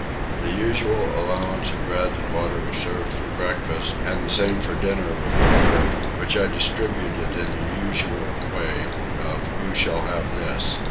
The usual allowance of bread and water was served for breakfast, and the same for dinner with the bird, which I distributed in the usual way, of Who shall have this?